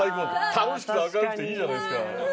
楽しくて明るくていいじゃないですか。